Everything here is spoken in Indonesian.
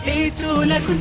eee enggak jadi ustaz